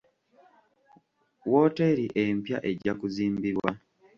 Wooteeri empya ejja kuzimbibwa.